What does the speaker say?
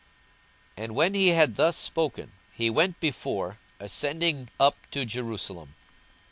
42:019:028 And when he had thus spoken, he went before, ascending up to Jerusalem.